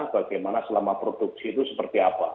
bagaimana selama produksi itu seperti apa